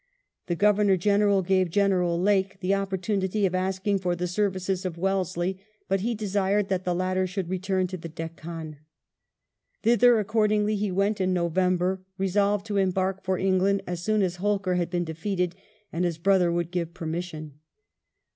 The Governor General gave General Lake the opportunity of asking for the services of Wellesley, but he desired that the latter should return to the Deccan. Thither, accordingly, he went in November, resolved to embark for England as soon as Holkar had been defeated and his brother would give permission.